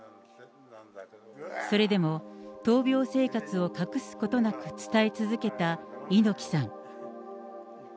それでも闘病生活を隠すことなく伝え続けた猪木さん。